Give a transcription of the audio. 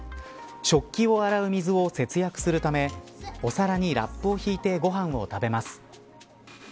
食器を洗う水を節約するためお皿にラップを敷いてご飯を食べます。